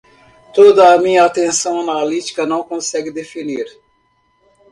toda a minha atenção analítica não consegue definir.